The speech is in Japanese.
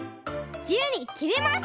じゆうにきれます！